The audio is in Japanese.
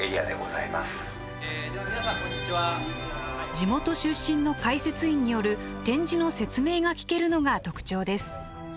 地元出身の解説員による展示の説明が聞けるのが特長です。